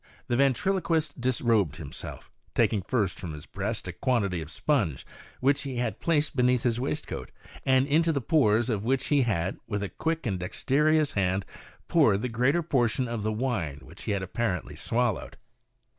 Tho ventrilo quist disrobed himself, taking first from his breast a quantity of sponge which ho had placed beneath his waistcoat, and into the pores of which he had, with a quick and dexterous baud, poured the greater portion of the wine which he had apparently swal lowed.